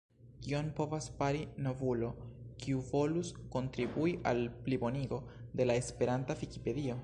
Kion povas fari novulo, kiu volus kontribui al plibonigo de la esperanta Vikipedio?